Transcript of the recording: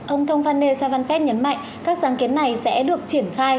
ông thông phan nê savanfet nhấn mạnh các sáng kiến này sẽ được triển khai